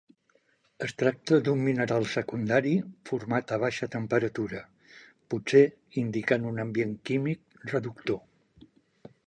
Es tracta d'un mineral secundari format a baixa temperatura, potser indicant un ambient químic reductor.